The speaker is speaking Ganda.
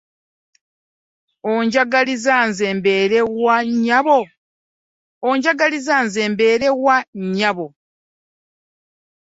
Oyagala nze mbeere wa nnyabo?